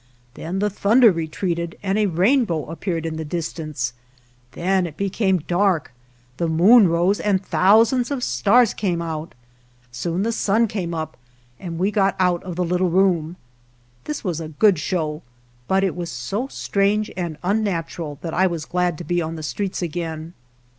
Then the thunder retreated and a rainbow ap peared in the distance ; then it became dark, the moon rose and thousands of stars came out. Soon the sun came up, and we got out of the little room. This was a good show, but it was so strange and unnatural that I was glad to be on the streets again.